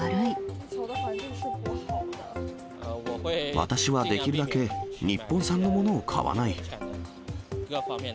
私はできるだけ日本産のものを買わない。